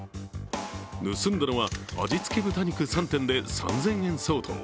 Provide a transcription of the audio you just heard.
盗んだのは、味付け豚肉３点で３０００円相当。